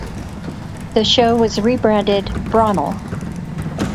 The show was rebranded Bromell!